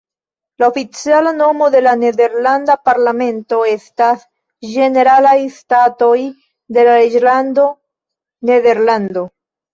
La oficiala nomo de la nederlanda parlamento estas "Ĝeneralaj Statoj de la Reĝlando Nederlando".